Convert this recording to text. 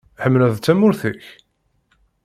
Tḥemmleḍ tamurt-ik?